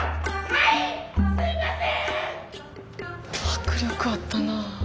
迫力あったな。